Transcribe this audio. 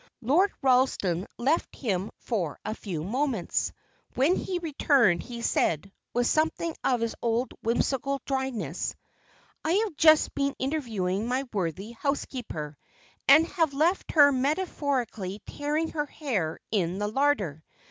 Lord Ralston left him for a few moments. When he returned he said, with something of his old whimsical dryness, "I have just been interviewing my worthy housekeeper, and have left her metaphorically tearing her hair in the larder.